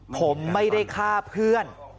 ผมไม่ได้ฆ่าเพื่อน